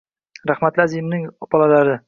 Rahmatli Azimning bolalarini.